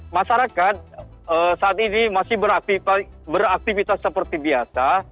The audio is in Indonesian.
masyarakat saat ini masih beraktivitas seperti biasa